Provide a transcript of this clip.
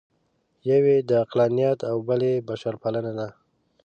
یو یې عقلانیت او بل یې بشرپالنه ده.